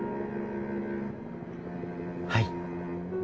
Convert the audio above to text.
はい。